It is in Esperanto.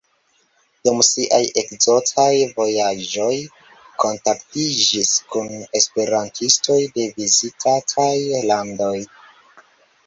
Dum siaj ekzotaj vojaĝoj kontaktiĝis kun esperantistoj de vizitataj landoj.